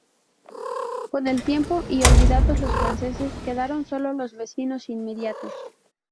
Con el tiempo, y olvidados los franceses, quedaron sólo los vecinos inmediatos.